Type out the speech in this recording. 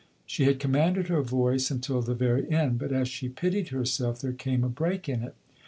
She had commanded her voice until the very end; but as she pitied herself there came a break in it.